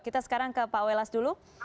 kita sekarang ke pak welas dulu